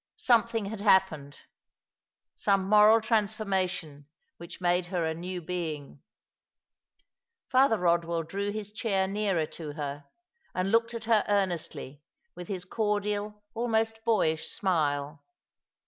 Something had hap pened — some moral transformation which made her a new being. Father Eodwell drew his chair nearer to her, and looked at her earnestly with his cordial, almost boyish smile.